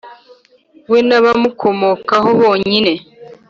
we n’abamukomokaho bonyine,